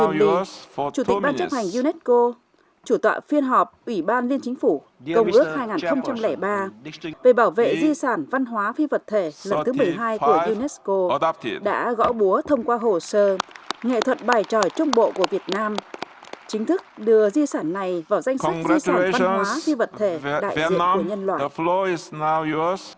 ủy ban chấp hành unesco chủ tọa phiên họp ủy ban liên chính phủ công ước hai nghìn ba về bảo vệ di sản văn hóa phi vật thể lần thứ một mươi hai của unesco đã gõ búa thông qua hồ sơ nghệ thuật bài tròi trung bộ của việt nam chính thức đưa di sản này vào danh sách di sản văn hóa phi vật thể đại diện của nhân loại